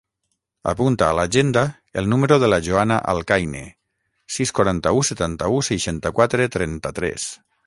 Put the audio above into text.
Apunta a l'agenda el número de la Joana Alcaine: sis, quaranta-u, setanta-u, seixanta-quatre, trenta-tres.